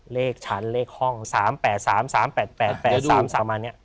เลขชั้นเลขห้อง๓๘๓๓๘๘๘๓๓ประมาณเนี่ย